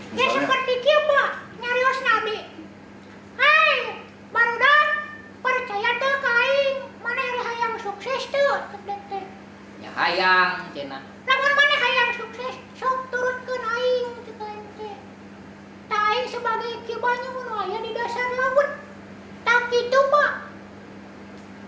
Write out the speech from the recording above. wawon erawan yang sukses